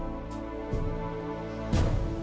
aku mau pulang